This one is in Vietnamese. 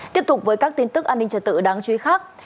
tiếp tục với các tin tức an ninh trật tự đáng chú ý khác